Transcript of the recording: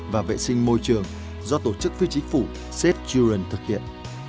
và vệ sinh môi trường do tổ chức phiên chỉ phủ safe children thực hiện